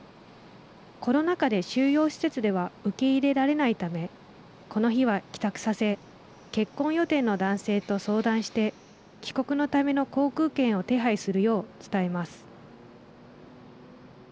コロナ禍で収容施設では受け入れられないためこの日は帰宅させ結婚予定の男性と相談して帰国のための航空券を手配するよう伝えます。